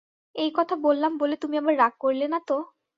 এই কথা বললাম বলে তুমি আবার রাগ করলে না তো?